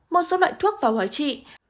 một số loại thuốc vào hỏi trị